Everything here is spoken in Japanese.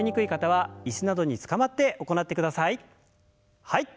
はい。